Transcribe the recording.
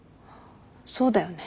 そうだよね。